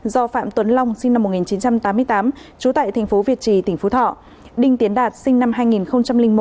do phạm tuấn long sinh năm một nghìn chín trăm tám mươi tám trú tại tp việt trì tp thọ đinh tiến đạt sinh năm hai nghìn một